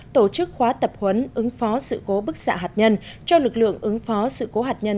tổ chức khóa tập huấn ứng phó sự cố bức xạ hạt nhân cho lực lượng ứng phó sự cố hạt nhân